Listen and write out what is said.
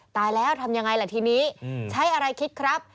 ตายแล้วทำยังไงล่ะทีนี้ใช้อะไรคิดครับ